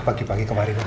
pagi pagi kemarin pak